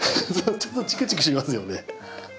ちょっとチクチクしますよね。